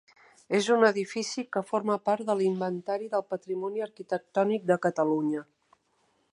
És un edifici que forma part de l'Inventari del Patrimoni Arquitectònic de Catalunya.